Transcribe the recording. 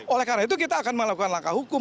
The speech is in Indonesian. oleh karena itu kita akan melakukan langkah hukum